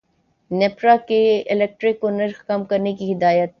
نیپرا کی K electric کو نرخ کم کرنے کی ہدایت